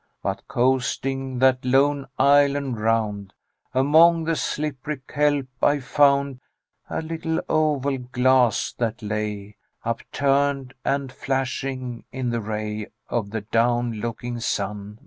But, coasting that lone island round, Among the slippery kelp I found A little oval glass that lay Upturned and flashing in the ray Of the down looking sun.